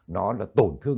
nó là tổn thương